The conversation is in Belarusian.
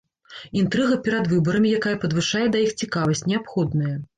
Інтрыга перад выбарамі, якая падвышае да іх цікавасць, неабходная.